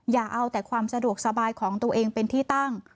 อย่าเอาแต่ความสะดวกสบายของตัวเองเป็นที่ตั้ง